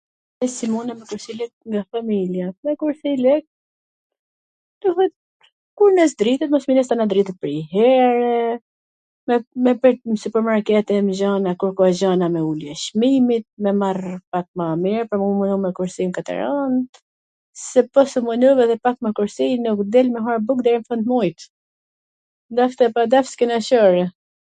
Si munet me kursy lek nga familja? Me kursy lek, duhet, kur nez dritwn, mos me nez tana dritat pwrnjiher, me pyt n super markete e m gjana t kwrkoj gjana me ulje Cmimi, me marr pak ma mir, po un marr me kursim n katwr ant, se po s u munove edhe pak me kursim nuk del me hangwr buk deri n fun t muajit, dasht e pa dasht s kena Core....